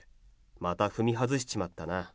また踏み外しちまったな。